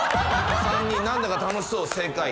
３人何だか楽しそう正解。